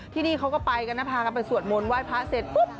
ที่นี่เขาก็ไปกันนะพากันไปสวดมนต์ไหว้พระเสร็จปุ๊บ